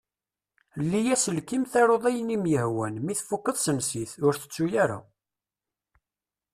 Lli aselkim taruḍ ayen i m-ihwan. Mi tfukeḍ sens-it. Ur tettu ara!